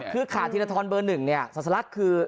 คือขาดธีรทรเบอร์๑เนี่ยสัสลักคือ